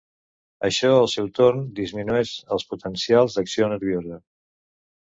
Això al seu torn, disminueix els potencials d'acció nerviosa.